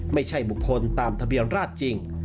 ไม่ใช่บุคคลตามทะเบียนราชจริง